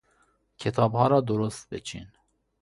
کتابها را درست بچین.